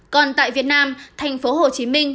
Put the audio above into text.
còn tại việt nam thành phố hồ chí minh